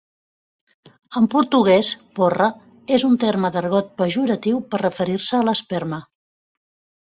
En portuguès, "Porra" és un terme d'argot pejoratiu per referir-se a l'esperma.